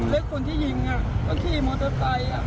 และคนที่ยิงก็ขี่มอเตอร์ไซค์